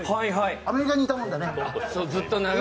アメリカにいたもんでね。